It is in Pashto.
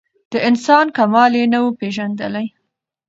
د انسان کمال یې نه وو پېژندلی